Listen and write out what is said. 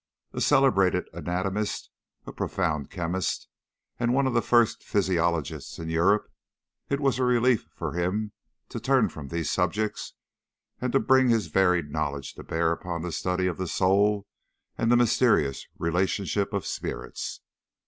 A celebrated anatomist, a profound chemist, and one of the first physiologists in Europe, it was a relief for him to turn from these subjects and to bring his varied knowledge to bear upon the study of the soul and the mysterious relationship of spirits.